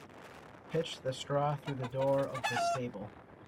Pitch the straw through the door of the stable.